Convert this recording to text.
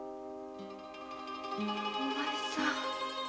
お前さん